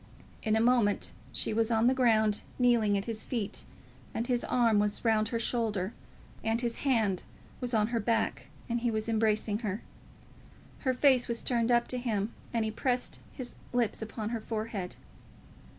In a moment she was on the ground, kneeling at his feet, and his arm was round her shoulder, and his hand was on her back, and he was embracing her. Her face was turned up to him, and he pressed his lips upon her forehead.